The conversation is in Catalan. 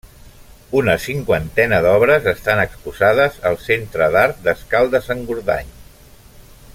Una cinquantena d'obres estan exposades al Centre d'Art d'Escaldes-Engordany.